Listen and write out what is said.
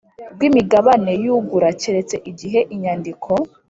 rw imigabane y ugura keretse igihe inyandiko